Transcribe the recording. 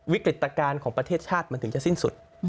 วิกฤตการณ์ของประเทศชาติมันถึงจะสิ้นสุด